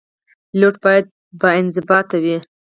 پیلوټ باید باانضباط وي.